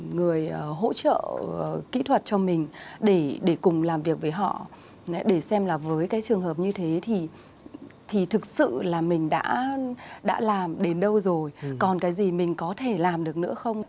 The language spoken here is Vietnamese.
người hỗ trợ kỹ thuật cho mình để cùng làm việc với họ để xem là với cái trường hợp như thế thì thực sự là mình đã làm đến đâu rồi còn cái gì mình có thể làm được nữa không